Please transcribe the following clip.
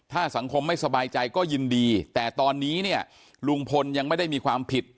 ถ้าสังคมไม่สบายใจก็ยินดีแต่ตอนนี้เนี่ยลุงพลยังไม่ได้มีความผิด